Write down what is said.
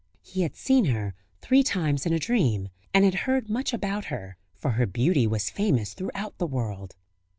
He had seen her three times in a dream, and had heard much about her, for her beauty was famous throughout the world.